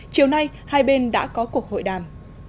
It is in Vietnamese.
chiều nay hai bên đã có cuộc hội đàm